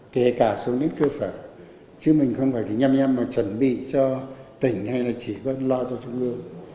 kể cả xuống đến cơ sở chứ mình không phải nhăm nhăm mà chuẩn bị cho tỉnh hay là chỉ lo cho trung ương